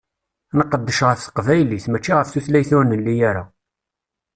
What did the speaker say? Nqeddec ɣef teqbaylit, mačči ɣef tutlayt ur nelli ara.